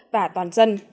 và toàn dân